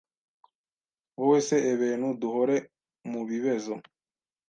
wowese, ebentu duhore mubibezo